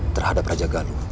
terhadap raja galuh